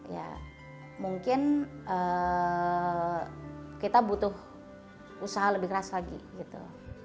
ya mungkin kita butuh usaha lebih keras lagi gitu